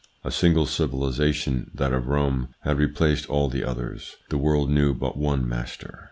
A single civilisation, that of Rome, had replaced all the others. The world knew but one master.